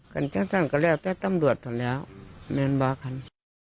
กันจังสั่งก็เรียกว่าแท้ตำรวจสั่งแล้วแม่งบ้าคัน